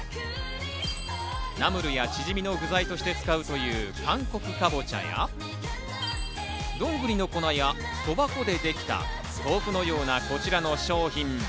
ナムルやチヂミの具材として使うという韓国カボチャやどんぐりの粉や、そば粉でできた豆腐のようなこちらの商品。